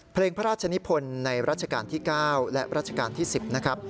เพลงพระราชนิพลในรัชกาลที่๙และรัชกาลที่๑๐นะครับ